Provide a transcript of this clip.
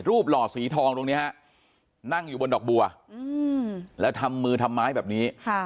หล่อสีทองตรงนี้ฮะนั่งอยู่บนดอกบัวแล้วทำมือทำไมแบบนี้